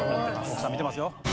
奥さん見てますよ。